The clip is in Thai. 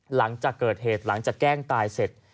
หลังจากเกิดเหตุหลังจากแกล้งตายเสร็จ